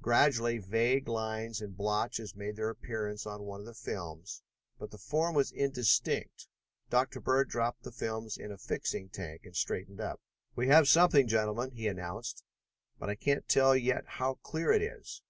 Gradually vague lines and blotches made their appearance on one of the films, but the form was indistinct. Dr. Bird dropped the films in a fixing tank and straightened up. "We have something, gentlemen," he announced, "but I can't tell yet how clear it is.